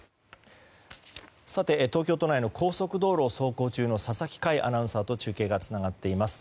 東京都内の高速道路を走行中の佐々木快アナウンサーと中継がつながっています。